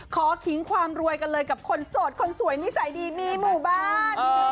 ขิงความรวยกันเลยกับคนโสดคนสวยนิสัยดีมีหมู่บ้าน